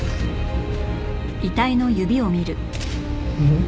ん？